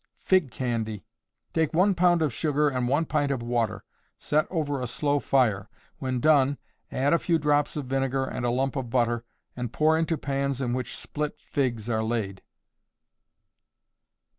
Fig Candy. Take 1 pound of sugar and 1 pint of water, set over a slow fire. When done, add a few drops of vinegar and a lump of butter, and pour into pans in which split figs are laid.